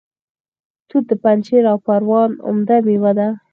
توت د پنجشیر او پروان عمده میوه ده